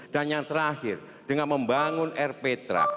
dan yang terakhir dengan membangun rptra